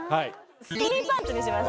スキニーパンツにします。